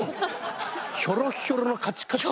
ヒョロッヒョロのカチカチの。